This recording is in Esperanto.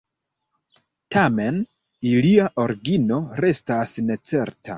Tamen, ilia origino restas necerta.